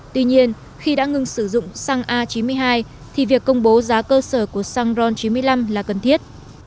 tuy nhiên khi đã ngừng sử dụng xăng a chín mươi hai thì việc công bố giá cơ sở của xăng ron chín mươi năm là cần thiết